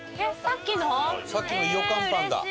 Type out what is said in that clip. さっきのいよかんパンだ！